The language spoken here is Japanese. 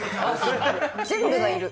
全部がいる。